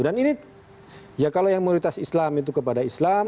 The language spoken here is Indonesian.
dan ini ya kalau yang mayoritas islam itu kepada islam